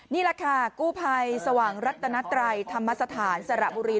นี่แหละค่ะกู้ภัยสว่างรัตนัตรัยธรรมสถานสระบุรี